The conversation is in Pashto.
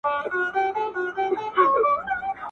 • ښه دیقاسم یار چي دا ثواب او دا ګنا کوي..